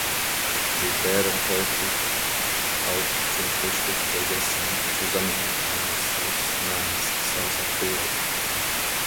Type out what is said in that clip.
Sie werden häufig auch zum Frühstück gegessen, zusammen mit einer Sauce namens "Salsa criolla".